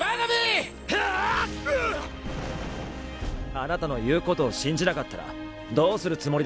あなたの言うことを信じなかったらどうするつもりだったんですか。